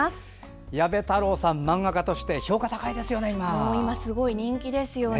矢部太郎さん、漫画家として評価高いですよね。